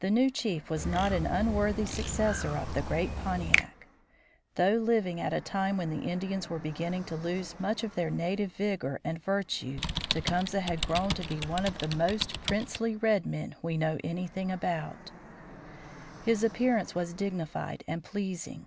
The new chief was not an unworthy successor of the great Pontiac. Though living at a time when the Indians were beginning to lose much of their native vigor and virtue, Tecumseh had grown to be one of the most princely red men we know anything about. [Illustration: TECUMSEH] His appearance was dignified and pleasing.